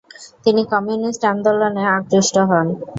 তিনি কমিউনিস্ট আন্দোলনে আকৃষ্ট হন।